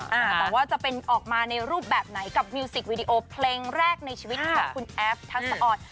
แต่ว่าจะเป็นออกมาในรูปแบบไหนกับมิวสิกวีดีโอเพลงแรกในชีวิตของคุณแอฟทักษะออน